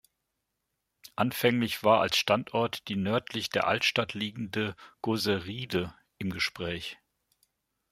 Anfänglich war als Standort die nördlich der Altstadt liegende "Goseriede" im Gespräch.